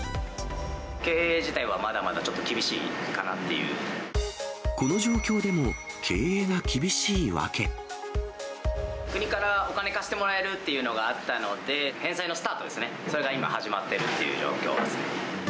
経営自体はまだまだちょっとこの状況でも、国からお金貸してもらえるっていうのがあったので、返済のスタートですね、それが今、始まってるっていう状況ですね。